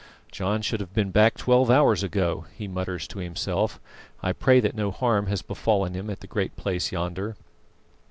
"John should have been back twelve hours ago," he mutters to himself. "I pray that no harm has befallen him at the Great Place yonder."